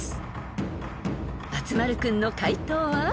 ［松丸君の解答は？］